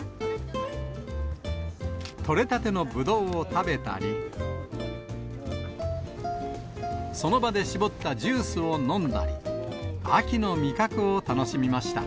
取れたてのブドウを食べたり、その場で搾ったジュースを飲んだり、秋の味覚を楽しみました。